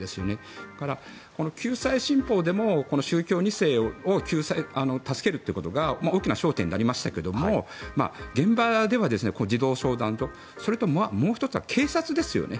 だから、この救済新法でも宗教２世を助けるということが大きな焦点になりましたが現場では児童相談所それともう１つは警察ですよね。